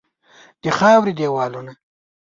د خاوري دیوالونه